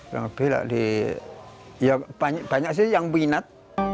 yang lebih lah di ya banyak sih yang minat